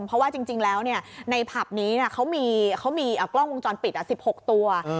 เพราะว่าจริงแล้วในผับนี้เขามีกล้องวงจรปิด๑๖ตัว